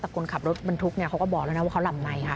แต่คนขับรถบรรทุกเนี่ยเขาก็บอกแล้วนะว่าเขาหลับในค่ะ